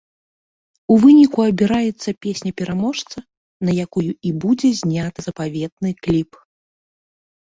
У выніку абіраецца песня-пераможца, на якую і будзе зняты запаветны кліп.